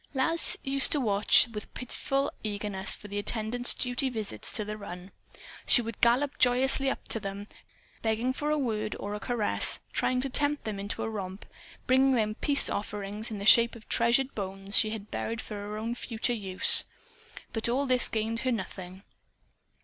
Lass used to watch with pitiful eagerness for the attendants' duty visits to the run. She would gallop joyously up to them, begging for a word or a caress, trying to tempt them into a romp, bringing them peaceofferings in the shape of treasured bones she had buried for her own future use. But all this gained her nothing.